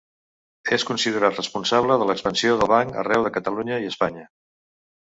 És considerat responsable de l'expansió del Banc arreu de Catalunya i Espanya.